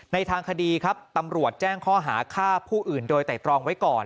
ทางคดีครับตำรวจแจ้งข้อหาฆ่าผู้อื่นโดยไตรตรองไว้ก่อน